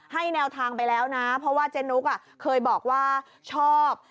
แนวทางไปแล้วนะเพราะว่าเจนุ๊กเคยบอกว่าชอบ